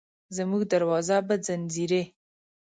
زموږ دروازه به ځینځېرې،